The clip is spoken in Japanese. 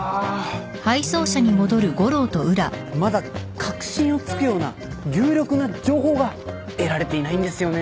まだ核心を突くような有力な情報が得られていないんですよね。